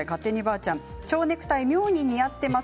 ちょうネクタイが妙に似合っています。